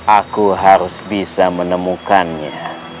aku harus bisa menemukannya